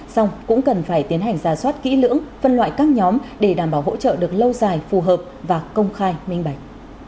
xong cũng cần phải tiến hành ra soát kỹ lưỡng phân loại các nhóm để đảm bảo hỗ trợ được lâu dài phù hợp và công khai minh bạch